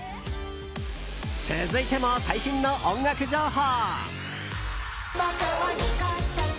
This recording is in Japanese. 続いても最新の音楽情報。